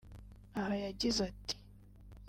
aha yagize ati